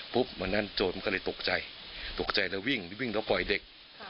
ปุ๊บมานั่นโจทย์ก็เลยตกใจตกใจแล้ววิ่งวิ่งแล้วปล่อยเด็ก